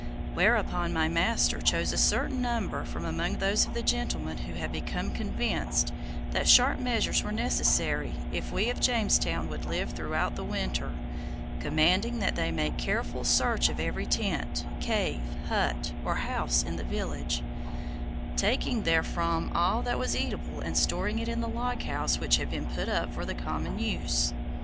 Whereupon my master chose a certain number from among those of the gentlemen who had become convinced that sharp measures were necessary if we of Jamestown would live throughout the winter, commanding that they make careful search of every tent, cave, hut or house in the village, taking therefrom all that was eatable, and storing it in the log house which had been put up for the common use.